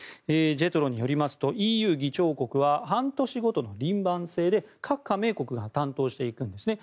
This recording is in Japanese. ＪＥＴＲＯによりますとＥＵ議長国は半年ごとの輪番制で各加盟国が担当していくんですね。